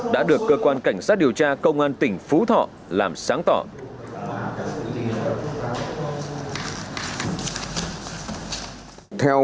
đã được cơ quan cảnh sát điều tra công an tỉnh phú thọ làm sáng tỏ